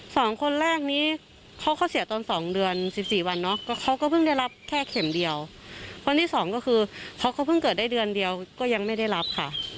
สองคนแรกนี้เขาเขาเสียตอนสองเดือนสิบสี่วันเนาะก็เขาก็เพิ่งได้รับแค่เข็มเดียววันที่สองก็คือเพราะเขาเพิ่งเกิดได้เดือนเดียวก็ยังไม่ได้รับค่ะ